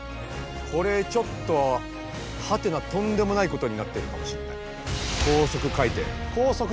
これちょっとハテナとんでもないことになってるかもしんない。